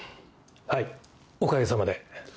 はいおかげさまで。